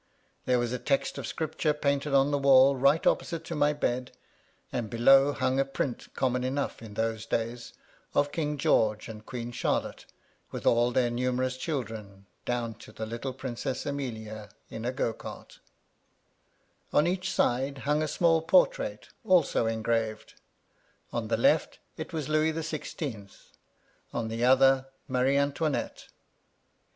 There was a text of Scripture painted on the wall right opposite to my bed ; and below hung a print, common enough in those days, of King George and Queen Charlotte, with all their numerous children, down to the little Princess Amelia in a go cart On each side hung a small portrait, also engraved: on the left, it was Louis the Sixteenth, on the other, Marie Antoinette.